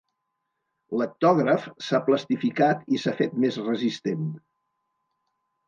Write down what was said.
L'hectògraf s'ha plastificat i s'ha fet més resistent.